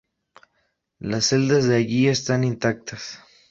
Las celdas de allí están intactas.